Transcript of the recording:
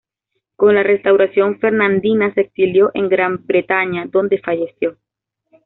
Con la restauración fernandina se exilió a Gran Bretaña donde falleció.